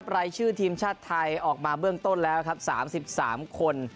รายชื่อทีมชาติไทยออกมาเบื้องต้นแล้วครับ๓๓คน